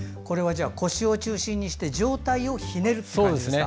腰を中心にして上体をひねる感じですか。